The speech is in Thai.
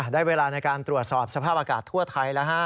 ได้เวลาในการตรวจสอบสภาพอากาศทั่วไทยแล้วฮะ